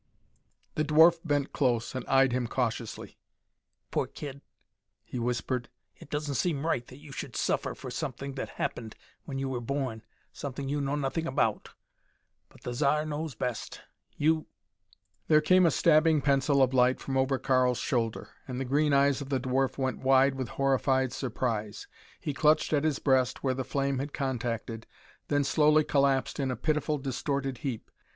The dwarf bent close and eyed him cautiously. "Poor kid!" he whispered, "it doesn't seem right that you should suffer for something that happened when you were born; something you know nothing about. But the Zar knows best. You " There came a stabbing pencil of light from over Karl's shoulder and the green eyes of the dwarf went wide with horrified surprise. He clutched at his breast where the flame had contacted, then slowly collapsed in a pitiful, distorted heap.